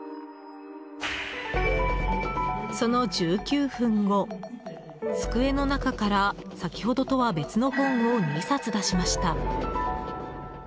その１９分後、机の中から先ほどとは別の本を２冊出しました。